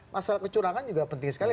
masalah kecurangan juga penting sekali